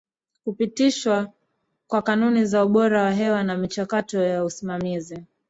kupitishwa kwa kanuni za ubora wa hewa na michakato ya usimamizi